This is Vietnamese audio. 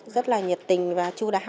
rất là nhiệt tình và chú đáo